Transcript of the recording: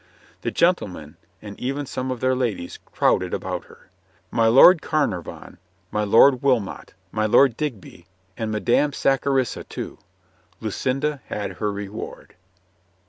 The gentlemen, and even some of their ladies, crowded about her — my Lord Carnarvon, my Lord Wilmot, my Lord Digby, and Madame Sac charissa, too. Lucinda had her reward.